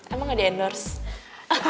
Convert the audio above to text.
emang gak ada nurse